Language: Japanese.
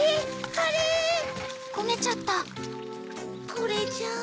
あれ⁉これじゃあ。